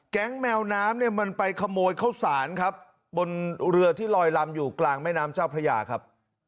แมวน้ำเนี่ยมันไปขโมยข้าวสารครับบนเรือที่ลอยลำอยู่กลางแม่น้ำเจ้าพระยาครับ